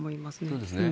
そうですね。